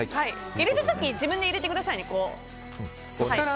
入れる時自分で入れてくださいね。